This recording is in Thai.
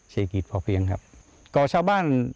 เศรษฐกิจโพเพียงครับ